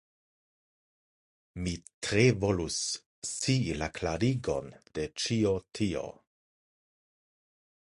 Mi tre volus scii la klarigon de ĉio tio.